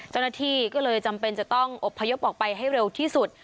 เจ้าหน้าที่ก็เลยจำเป็นจะต้องอบพยพออกไปให้เร็วที่สุด